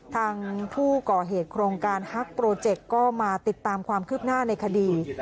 ทางผู้ก่อเหตุโครงการฮักโปรเจกต์ก็มาติดตามความคืบหน้าในคดี